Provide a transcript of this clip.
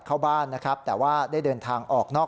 เข้าบ้านนะครับแต่ว่าได้เดินทางออกนอก